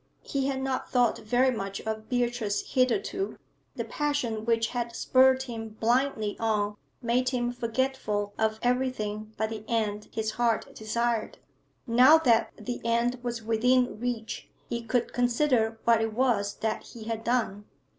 He had not thought very much of Beatrice hitherto; the passion which had spurred him blindly on made him forgetful of everything but the end his heart desired. Now that the end was within reach, he could consider what it was that he had done.